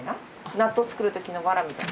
納豆作る時のわらみたいな？